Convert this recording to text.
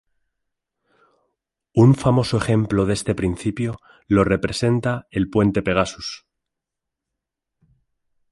Un famoso ejemplo de este principio lo representa el puente Pegasus.